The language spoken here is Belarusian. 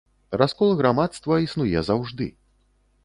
Раскол грамадства існуе заўжды.